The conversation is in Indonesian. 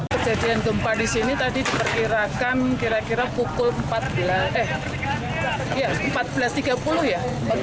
kejadian gempa di sini tadi diperkirakan kira kira pukul empat belas tiga puluh ya